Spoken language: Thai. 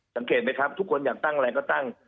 สังเกตไหมครับทุกคนอยากตั้งอะไรก็ตั้ง